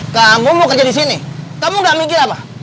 kamu mau kerja di sini kamu gak mikir apa